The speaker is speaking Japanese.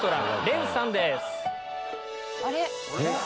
あれ？